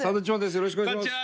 よろしくお願いします。